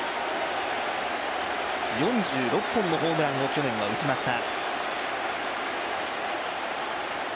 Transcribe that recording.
４６本のホームランを去年は打ちました。